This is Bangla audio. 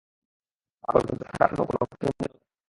পাগল, কিন্তু খারাপ নও কোন ক্রিমিনাল নও।